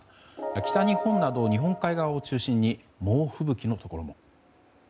北日本など日本海側を中心に猛吹雪のところも。